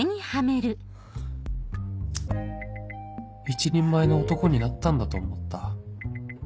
一人前の男になったんだと思った